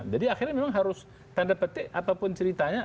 jadi akhirnya memang harus tanda petik apapun ceritanya